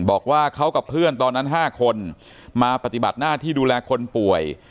บอกว่าเขากับเพื่อนตอนนั้น๕คนมาปฏิบัติหน้าที่ดูแลคนป่วย